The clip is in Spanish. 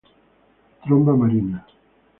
Tromba marina